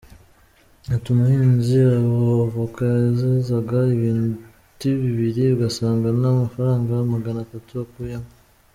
Ati “Umuhinzi wa avoka yezaga ibiti bibiri ugasanga nta n’amafaranga magana atanu akuyemo.